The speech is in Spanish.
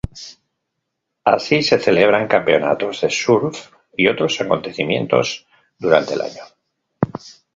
Así, se celebran campeonatos de surf y otros acontecimientos durante el año.